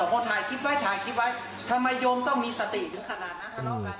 นายคิดไว้ถ่ายคิดไว้ทำไมโยมต้องมีสติถึงขนาดนั้น